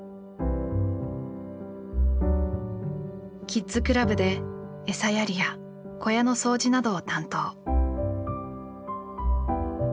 キッズクラブでエサやりや小屋の掃除などを担当。